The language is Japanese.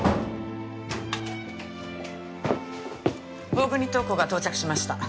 大國塔子が到着しました。